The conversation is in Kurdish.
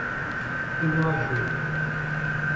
Tu naajoyî.